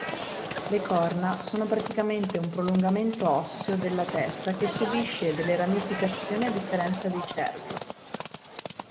Le corna sono praticamente un prolungamento osseo della testa che subisce delle ramificazioni a differenza dei cervi.